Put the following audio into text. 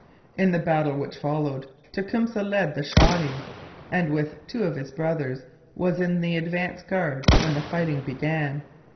In the battle which followed Tecumseh led the Shawnees, and, with two of his brothers, was in the advance guard when the fighting began.